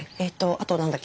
あとは何だっけ？